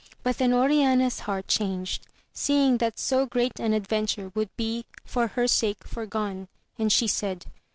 But then Oriana's heart changed, seeing that so great an adventure would be for her sake foregone, and she said.